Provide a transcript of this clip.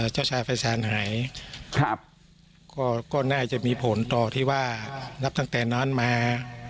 เจ้าชายไฟแสนหายก็น่าจะมีผลต่อที่ว่านับตั้งแต่นั้นมา